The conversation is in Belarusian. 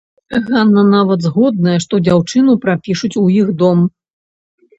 Ганна нават згодная, што дзяўчыну прапішуць у іх дом.